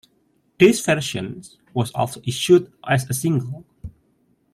Day's version was also issued as a single.